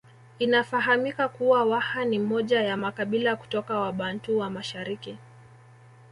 Inafahamika kuwa Waha ni moja ya makabila kutoka Wabantu wa mashariki